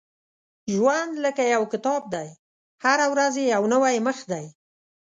• ژوند لکه یو کتاب دی، هره ورځ یې یو نوی مخ دی.